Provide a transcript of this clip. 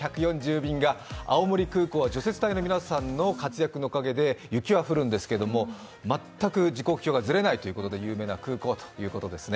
便が青森空港除雪隊の皆さんの活躍のおかげで雪は降るんですけれども、全く時刻表がずれないことで有名な空港ということですね。